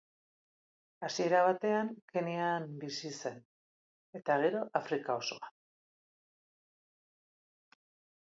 Hasiera batean Kenyan bizi izan zen, eta gero Afrika osoan.